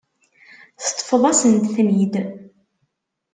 Teṭṭfeḍ-asent-ten-id.